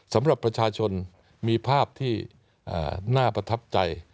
สำหรับประชาชนมีภาพที่น่าประทับใจ